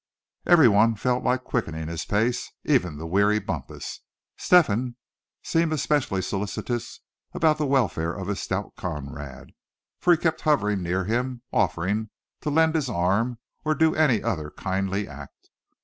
Every one felt like quickening his pace, even the weary Bumpus. Step hen seemed especially solicitous about the welfare of his stout comrade, for he kept hovering near him, offering to lend his arm, or do any other kindly act.